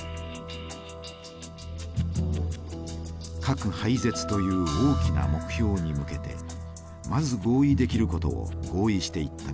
核廃絶という大きな目標に向けてまず合意できることを合意していったのです。